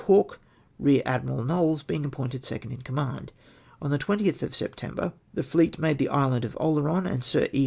Hawke, Eear Admiral Knowles being appointed second in command. On the 20th of (September the fleet made the Island of Oleron, and Sir E.